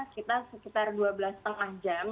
kita sekitar dua belas lima jam